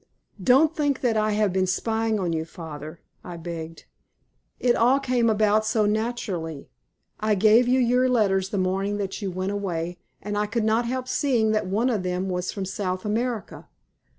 "Don't think that I have been spying on you, father," I begged. "It all came about so naturally. I gave you your letters the morning that you went away, and I could not help seeing that one of them was from South America.